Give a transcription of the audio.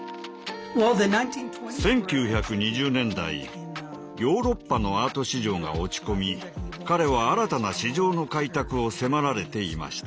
１９２０年代ヨーロッパのアート市場が落ち込み彼は新たな市場の開拓を迫られていました。